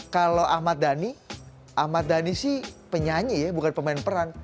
kalau ahmad dhani ahmad dhani sih penyanyi ya bukan pemain peran